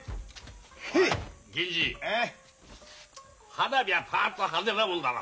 花火はパッと派手なもんだろ。